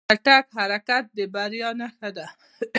چټک حرکت د بریا نښه ده.